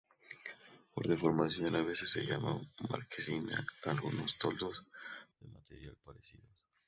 Por deformación, a veces se llama marquesina a algunos toldos de materiales parecidos.